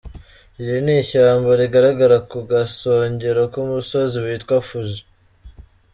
Iri ni ishyamba rigaragara ku gasongero k’umusozi witwa “Fuji”.